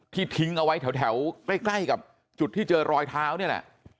ทิ้งเอาไว้แถวใกล้กับจุดที่เจอรอยเท้านี่แหละ